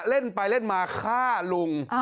เล่นไปเล่นมาฆ่าลุง